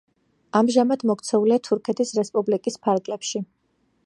ამჟამად მოქცეულია თურქეთის რესპუბლიკის ფარგლებში.